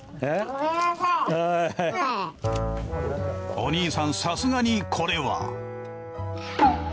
お兄さんさすがにこれは。